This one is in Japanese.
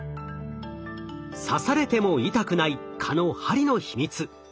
刺されても痛くない蚊の針の秘密。